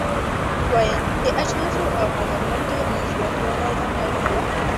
دويم: د اجناسو او خدماتو نه زیاتوالی لامل دی.